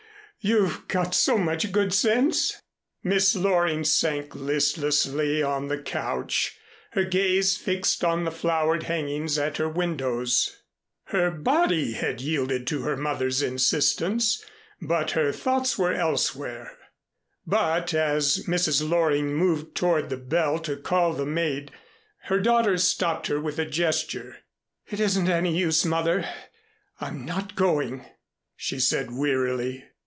You've got so much good sense " Miss Loring sank listlessly on the couch, her gaze fixed on the flowered hangings at her windows. Her body had yielded to her mother's insistence, but her thoughts were elsewhere. But as Mrs. Loring moved toward the bell to call the maid, her daughter stopped her with a gesture. "It isn't any use, Mother. I'm not going," she said wearily.